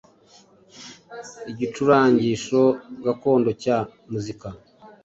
Igicurangisho gakondo cya muzika,